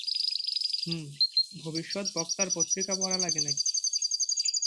হুম ভবিষ্যৎ বক্তার পত্রিকা পড়া লাগে নাকি?